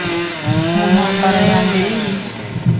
mu ntambara ya Mbere y'Isi,